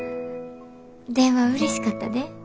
電話うれしかったで。